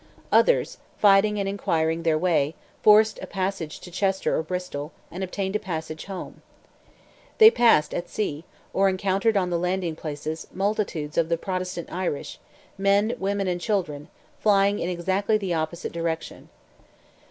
Others, fighting and inquiring their way, forced a passage to Chester or Bristol, and obtained a passage home. They passed at sea, or encountered on the landing places, multitudes of the Protestant Irish, men, women and children, flying in exactly the opposite direction.